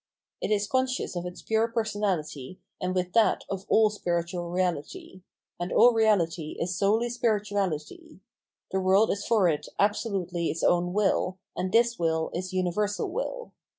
It is conscious of its pure personality and with that of all spiritual reality ; and all reality is solely spiritu ality ; the world is for it absolutely its own wiU, and this will is universal will.